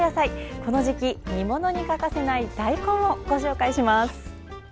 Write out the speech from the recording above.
この時期、煮物に欠かせない大根をご紹介します。